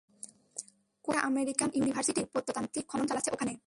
কোন একটা American university প্রত্নতাত্ত্বিক খনন চালাচ্ছে ওখানে।